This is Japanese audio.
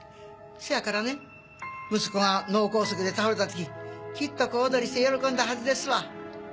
せやからね息子が脳梗塞で倒れたとききっと小躍りして喜んだはずですわ。